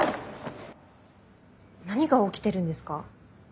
何が起きてるんですか？